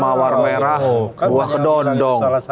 mawar merah buah kedondong